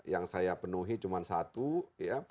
yang saya penuhi cuma satu ya